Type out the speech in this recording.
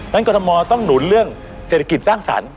กรทมต้องหนุนเรื่องเศรษฐกิจสร้างสรรค์